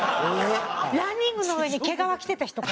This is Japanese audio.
ランニングの上に毛皮着てた人か。